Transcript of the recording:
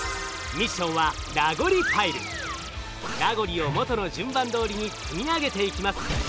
ミッションはラゴリを元の順番どおりに積み上げていきます。